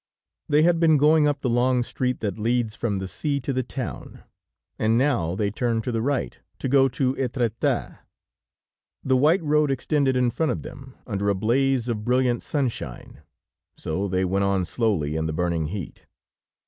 They had been going up the long street that leads from the sea to the town, and now they turned to the right, to go to Etretat. The white road extended in front of them, under a blaze of brilliant sunshine, so they went on slowly in the burning heat.